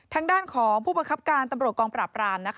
ทางด้านของผู้บังคับการตำรวจกองปราบราม